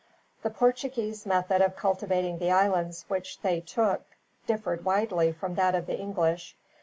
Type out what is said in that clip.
The Portuguese method of cultivating the islands which they took differed widely from that of the English.